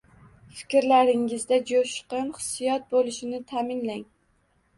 Fikrlaringizda jo’shqin xissiyot bo’lishini ta’minlang